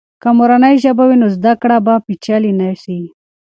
که مورنۍ ژبه وي، نو زده کړه به پیچلې نه سي.